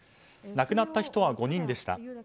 亡くなった人は５人でした。